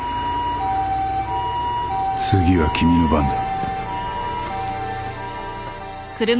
次は君の番だ。